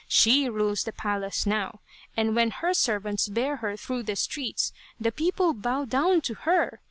She rules the palace now, and when her servants bear her through the streets the people bow down to her."